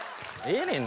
ええねん